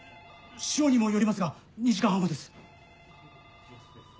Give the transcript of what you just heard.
潮にもよりますが２時間半後です。